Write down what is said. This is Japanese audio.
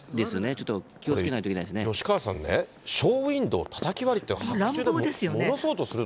ちょっと、気をつけないといけな吉川さんね、ショーウインドーたたき割りって、白昼でものすごい。